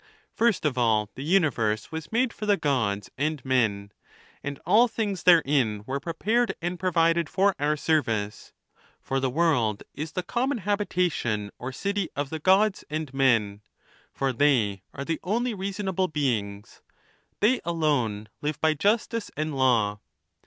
First of all, the universe was made for the Gods and men, and all things therein were prepared and pi ovided for our service. For the world is the common habitation or city of the Gods and men ; for they are the only rea sonable beings : they alone live by justice and law.